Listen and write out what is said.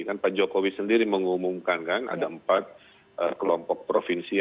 kan pak jokowi sendiri mengumumkan kan ada empat kelompok provinsi